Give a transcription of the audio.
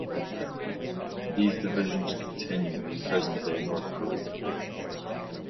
These divisions continue in present-day North Korea.